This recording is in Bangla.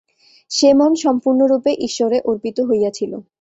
সে-মন সম্পূর্ণরূপে ঈশ্বরে অর্পিত হইয়াছিল।